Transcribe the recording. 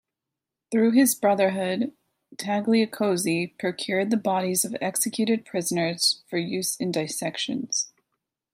Through this brotherhood Tagliacozzi procured the bodies of executed prisoners for use in dissections.